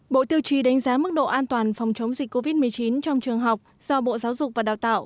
bộ tiêu chí đánh giá mức độ an toàn phòng chống dịch covid một mươi chín trong trường học do bộ giáo dục và đào tạo